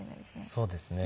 そうですね。